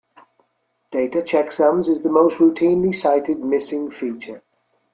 Data checksums is the most routinely cited missing feature.